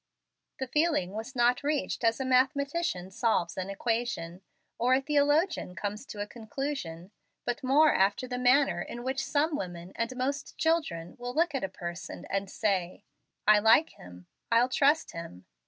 The feeling was not reached as a mathematician solves an equation, or a theologian comes to a conclusion, but more after the manner in which some women and most children will look at a person and say, "I like him; I'll trust him."